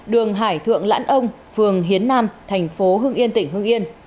đường hải thượng lãn ông phường hiến nam thành phố hương yên tỉnh hương yên